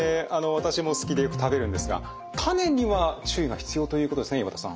私も好きでよく食べるんですが種には注意が必要ということですね岩田さん。